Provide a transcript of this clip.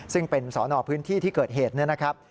ซึ่งเป็นสอนอพื้นที่ที่เกิดเหตุเนี่ยนะครับ